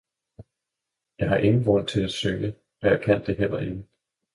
Jeg har ingen grund til at synge, og jeg kan det heller ikke!